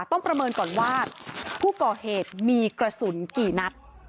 ประเมินก่อนว่าผู้ก่อเหตุมีกระสุนกี่นัด